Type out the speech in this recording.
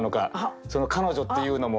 その「彼女」っていうのも。